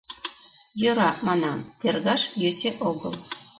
— Йӧра, — манам, — тергаш йӧсӧ огыл.